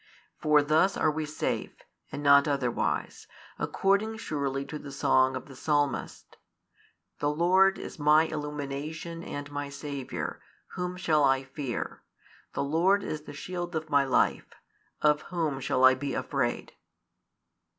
For thus are we safe, and not otherwise, according surely to the song of the Psalmist: The Lord is my illumination and my saviour; whom shall I fear? The Lord is the shield of my life; of tvhom shall I be afraid?